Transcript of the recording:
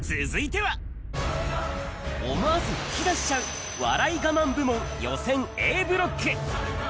続いては、思わず吹き出しちゃう、笑いガマン部門予選Ａブロック。